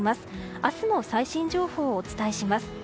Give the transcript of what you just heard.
明日も最新情報をお伝えします。